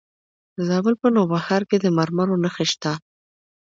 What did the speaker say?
د زابل په نوبهار کې د مرمرو نښې شته.